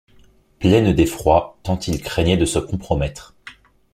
pleines d’effroi, tant il craignait de se compromettre.